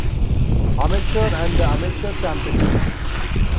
Amateur, and The Amateur Championship.